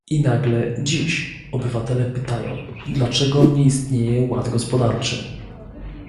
I nagle, dziś, obywatele pytają, dlaczego nie istnieje ład gospodarczy